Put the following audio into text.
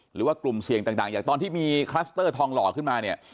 หรือว่ากลุ่มเสี่ยงต่างอย่างตอนที่มีคลัสเตอร์ทองหล่อขึ้นมาเนี่ย